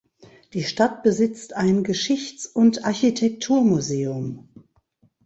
Die Stadt besitzt ein "Geschichts- und Architekturmuseum".